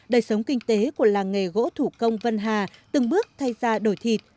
đời sống kinh tế của làng nghề gỗ thủ công vân hà từng bước thay ra đổi thịt